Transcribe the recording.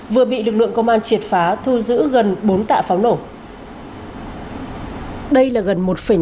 vừa bị lực lượng công an triệt phá thu giữ gần bốn tạ pháo nổ